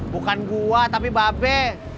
bukan gue tapi bape